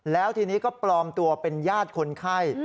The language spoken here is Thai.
แล้วทีนี้ก็ปลอมตัวเป็นญาติคนไข้